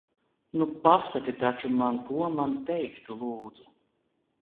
Nu pasaki taču man, ko man teikt, lūdzu!